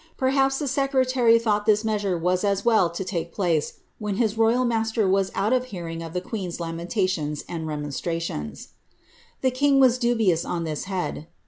Perhaps the secretary thought this measure was as well to take place when his royal master was out of hearing of the queen'i lamentations and remonstrances. The king was dubious on this head.